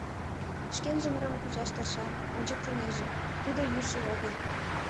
Шкенжым рыҥ кучаш тырша, ончыктынеже: тудо йӱшӧ огыл.